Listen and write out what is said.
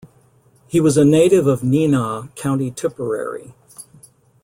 He was a native of Nenagh, County Tipperary.